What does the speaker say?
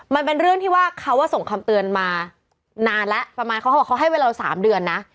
มันเป็นเรื่องที่ว่าเขาส่งคำเตือนมานานแล้วประมาณเขาบอกเขาให้เวลา๓เดือนนะ